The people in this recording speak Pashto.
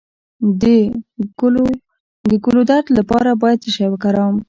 د ګلو درد لپاره باید څه شی وکاروم؟